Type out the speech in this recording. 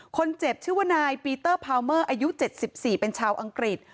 คนเจ็บชื่อว่านายปีเตอร์พาวเมอร์อายุ๗๔เป็นชาวอังกฤษ